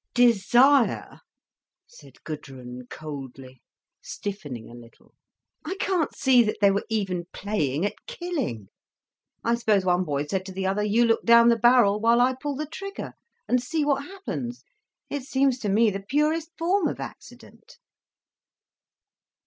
"Desire!" said Gudrun, coldly, stiffening a little. "I can't see that they were even playing at killing. I suppose one boy said to the other, 'You look down the barrel while I pull the trigger, and see what happens.' It seems to me the purest form of accident."